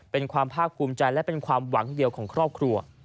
เป็นความภาคภูมิใจและเป็นความหวังเดียวของครอบครัว